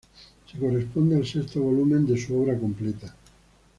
Se corresponde al sexto volumen de su Obra completa.